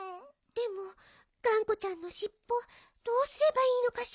でもがんこちゃんのしっぽどうすればいいのかしら？